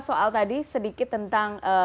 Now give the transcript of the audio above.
soal tadi sedikit tentang